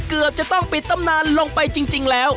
เกือบจะต้องปิดตำนานลงไปจริงแล้ว